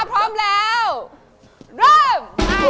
พร้อมแล้วเริ่ม